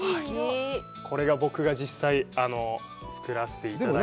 これが僕が実際作らせていただいた。